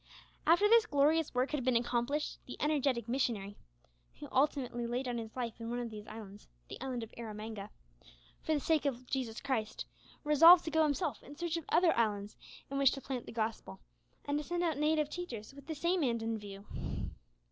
After this glorious work had been accomplished, the energetic missionary who ultimately laid down his life in one of these islands [The Island of Erramanga] for the sake of Jesus Christ resolved to go himself in search of other islands in which to plant the Gospel, and to send out native teachers with the same end in view.